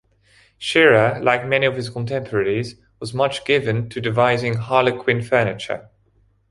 Shearer, like many of his contemporaries, was much given to devising "harlequin" furniture.